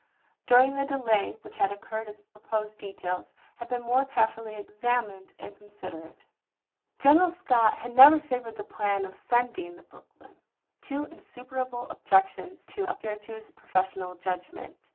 During the delay which had occurred its proposed details had been more carefully examined and considered. 94 ABEAHAM LINCOLN chap. vii. General Scott had never favored the plan of send ing the Brooklyn. Two insuperable objections to it appeared to his professional judgment.